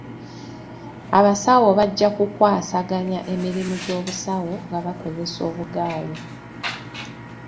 Abasawo bajja ku kwasaganya emirimu gy'obusawo nga bakozesa obuggaali.